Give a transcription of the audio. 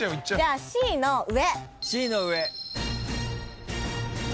じゃあＣの上。